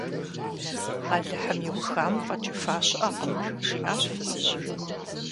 - Алыхьым иухам фӀэкӀыфа щыӀэкъым, – жиӀащ фызыжьым.